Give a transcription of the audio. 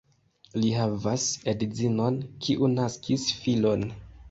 Li havas edzinon, kiu naskis filon.